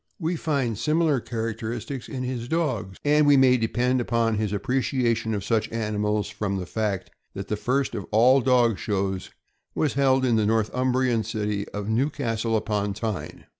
* We naturally find similar characteristics in his dogs, and we may depend upon his appreciation of such animals from the fact that the first of all dog shows was held in the Northumbrian city of Newcastle upon Tyne.